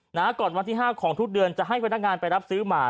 ก่อนวันที่ห้าของทุกเดือนจะให้พนักงานไปรับซื้อหมา